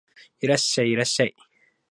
いらっしゃい、いらっしゃい